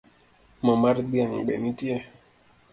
Mo mar dhiang’ be nitie?